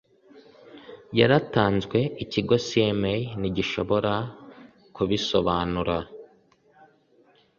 yaratanzwe ikigo cma ntigishobora kubisobanura